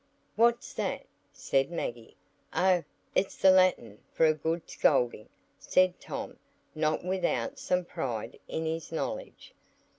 "What's that?" said Maggie. "Oh, it's the Latin for a good scolding," said Tom, not without some pride in his knowledge.